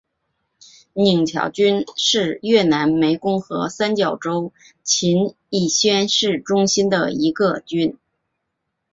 宁桥郡是越南湄公河三角洲芹苴市中心的一个郡。